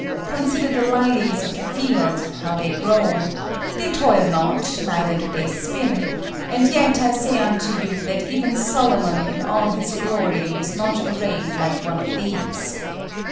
Consider the lilies of the field; how they grow; they toil not, neither do they spin; And yet I say unto you, that even Solomon in all his glory was not arrayed like one of these.